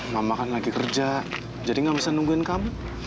mama kan lagi kerja jadi nggak bisa nungguin kamu